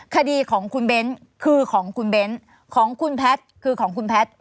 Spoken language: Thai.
คดีของคุณเบ้นคือของคุณเบ้นของคุณแพทย์คือของคุณแพทย์